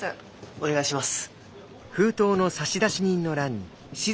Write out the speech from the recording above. お願いします。